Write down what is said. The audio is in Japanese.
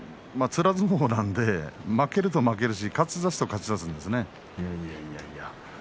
つら相撲なんで負けると負けて勝ちだすと勝つんですよ。